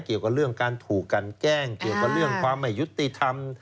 เกี่ยวกับเรื่องการถูกกันแกล้งเกี่ยวกับเรื่องความไม่ยุติธรรม